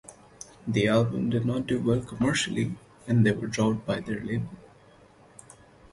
The album did not do well commercially, and they were dropped by their label.